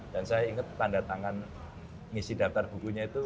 dan saya ingat tanda tangan ngisi daftar bukunya itu